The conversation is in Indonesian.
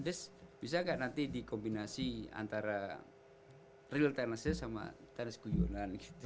des bisa nggak nanti dikombinasi antara real tenisnya sama tenis guyonan gitu